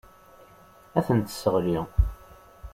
Ad tent-tesseɣli.